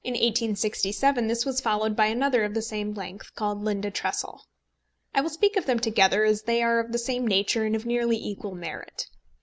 In 1867 this was followed by another of the same length, called Linda Tressel. I will speak of them together, as they are of the same nature and of nearly equal merit.